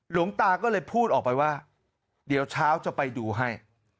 หลวงตาก็เลยพูดออกไปว่าเดี๋ยวเช้าจะไปดูให้